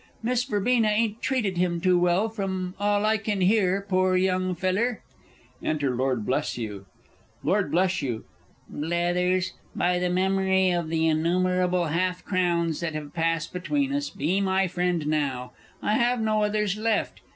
Miss Verbena ain't treated him too well, from all I can hear, poor young feller! Enter LORD BLESHUGH. Lord Bleshugh. Blethers, by the memory of the innumerable half crowns that have passed between us, be my friend now I have no others left.